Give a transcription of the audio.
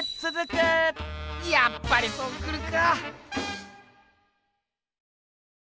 やっぱりそうくるか。